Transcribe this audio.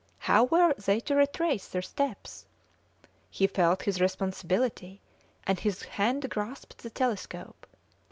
How were they to retrace their steps? He felt his responsibility, and his hand grasped the telescope.